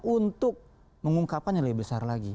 untuk mengungkapkan yang lebih besar lagi